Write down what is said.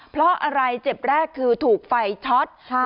เพราะอะไรเจ็บแรกคือถูกไฟช็อต